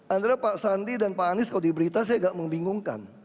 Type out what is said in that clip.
andra pak sandi dan pak anies kalau diberita saya agak membingungkan